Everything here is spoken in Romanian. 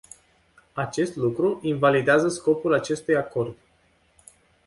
Acest lucru invalidează scopul acestui acord.